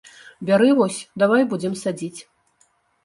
Бяры вось, давай будзем садзіць!